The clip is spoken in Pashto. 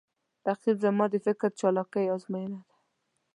رقیب زما د فکر چالاکي آزموینه ده